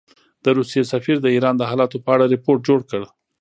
د روسیې سفیر د ایران د حالاتو په اړه رپوټ جوړ کړ.